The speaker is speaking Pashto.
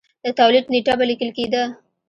د تولید نېټه به لیکل کېده